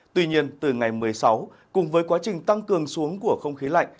tuy nhiên từ ngày một mươi sáu cùng với quá trình tăng cường xuống của không khí lạnh